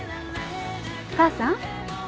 母さん。